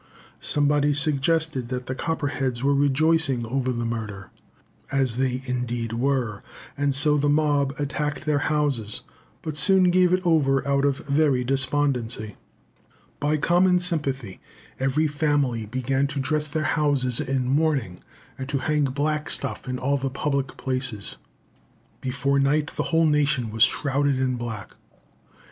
Somebody suggested that the Copperheads were rejoicing over the murder as they indeed were and so the mob attacked their houses, but soon gave it over, out of very despondency. By common sympathy, every family began to dress their houses in mourning, and to hang black stuff in all the public places; "before night, the whole nation was shrouded in black."